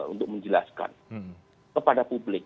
untuk menjelaskan kepada publik